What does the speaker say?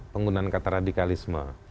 penggunaan kata radikalisme